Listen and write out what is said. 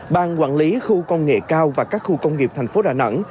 ban quản lý khu công nghệ cao và các khu công nghiệp thành phố đà nẵng